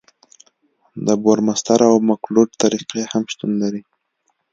د بورمستر او مکلوډ طریقې هم شتون لري